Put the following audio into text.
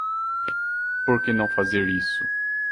Por que não fazer isso